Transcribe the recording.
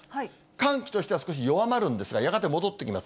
寒気としては少し弱まるんですが、やがて戻ってきます。